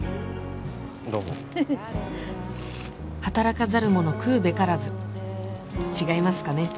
どうも働かざる者食うべからず違いますかね？